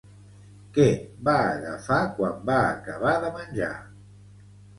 Què va agafar quan va acabar de menjar?